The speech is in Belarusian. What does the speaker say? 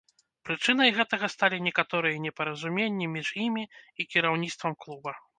Прычынай гэтага сталі некаторыя непаразуменні між імі і кіраўніцтвам клуба.